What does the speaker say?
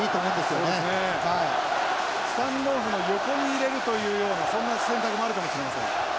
スタンドオフの横に入れるというようなそんな選択もあるかもしれません。